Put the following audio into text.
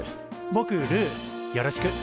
ぼくルーよろしく。